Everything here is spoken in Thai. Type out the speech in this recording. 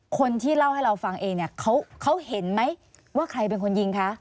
คนที่เล่าให้เราฟังเองเนี่ยเขาเห็นไหมว่าใครเป็นคนยิงคะ